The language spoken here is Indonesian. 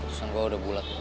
tentusan gua udah bulat ya